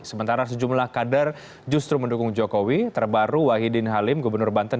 sementara sejumlah kader justru mendukung jokowi terbaru wahidin halim gubernur banten